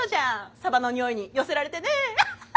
サバのにおいに寄せられてね。